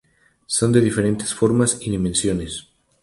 Son de diferentes formas y dimensiones.